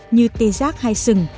như tê giác hai sừng